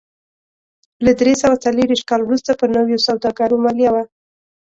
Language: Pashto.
له درې سوه څلرویشت کال وروسته پر نویو سوداګرو مالیه و